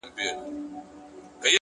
چې باوري یو هر څه هغه کوي